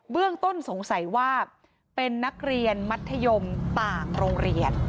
เรื่องต้นสงสัยว่าเป็นนักเรียนมัธยมต่างโรงเรียน